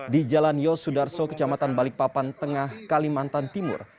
di jalan yosudarso kecamatan balikpapan tengah kalimantan timur